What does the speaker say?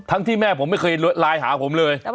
ที่แม่ผมไม่เคยไลน์หาผมเลย